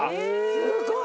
すごい！